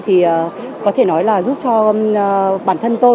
thì có thể nói là giúp cho bản thân tôi